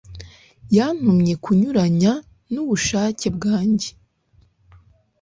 yantumye kunyuranya n'ubushake bwanjye